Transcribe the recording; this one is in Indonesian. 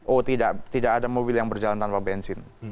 oh tidak ada mobil yang berjalan tanpa bensin